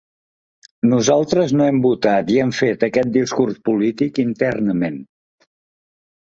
Nosaltres no hem votat i hem fet aquest discurs polític internament.